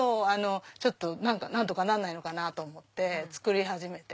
何とかならないのかな？と思って作り始めて。